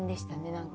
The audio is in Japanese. なんか。